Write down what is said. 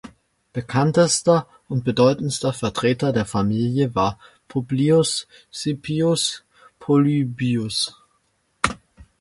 Bekanntester und bedeutendster Vertreter der Familie war Publius Cipius Polybius.